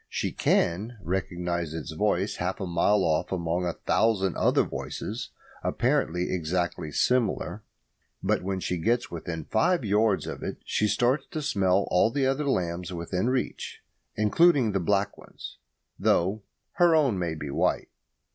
She can recognise its voice half a mile off among a thousand other voices apparently exactly similar; but when she gets within five yards of it she starts to smell all the other lambs within reach, including the black ones though her own may be white.